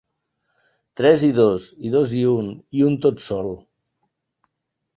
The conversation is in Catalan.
Tres i dos, i dos i un, i un tot sol”.